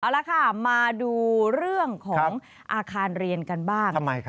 เอาละค่ะมาดูเรื่องของอาคารเรียนกันบ้าง